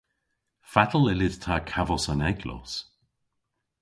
Fatel yllydh ta kavos an eglos?